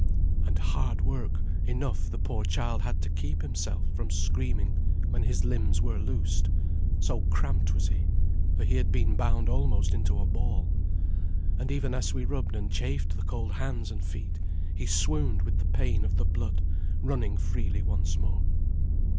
And hard work enough the poor child had to keep himself from screaming when his limbs were loosed, so cramped was he, for he had been bound almost into a ball. And even as we rubbed and chafed the cold hands and feet he swooned with the pain of the blood running freely once more.